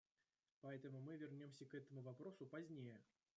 Поэтому мы вернемся к этому вопросу позднее.